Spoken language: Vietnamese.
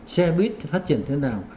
xe buýt phát triển thế nào